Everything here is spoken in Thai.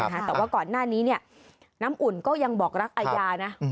แต่ว่าก่อนหน้านี้น้ำอุ่นก็ยังบอกรักอาญานะ